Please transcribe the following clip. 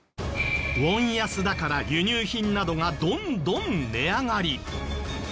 ウォン安だから輸入品などがどんどん値上がり。